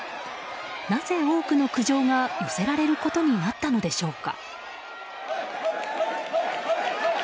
なぜ多くの苦情が寄せられることになったのでしょうか。